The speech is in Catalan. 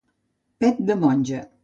Pet de monja.